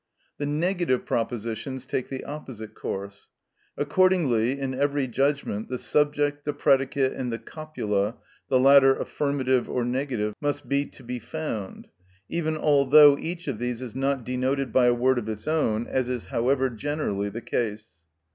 The negative propositions take the opposite course. Accordingly in every judgment the subject, the predicate, and the copula, the latter affirmative or negative, must be to be found; even although each of these is not denoted by a word of its own, as is however generally the case.